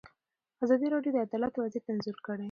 ازادي راډیو د عدالت وضعیت انځور کړی.